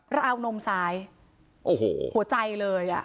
เรา่องนมสายหัวใจเลยอ่ะ